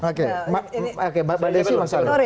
oke pak desi masalahnya